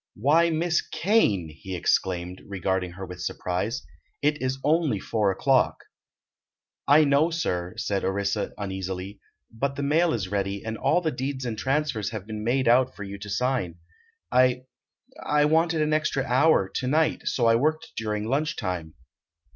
"Why, Miss Kane!" he exclaimed, regarding her with surprise, "it is only four o'clock." "I know, sir," said Orissa uneasily, "but the mail is ready and all the deeds and transfers have been made out for you to sign. I—I wanted an extra hour, to night, so I worked during lunch time."